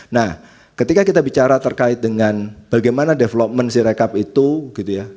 nah ketika kita bicara terkait dengan bagaimana development sirekap itu gitu ya